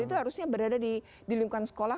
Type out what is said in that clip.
itu harusnya berada di lingkungan sekolah